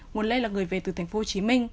nguồn lê là người về từ tp hcm